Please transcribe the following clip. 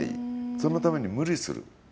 そのために無理する。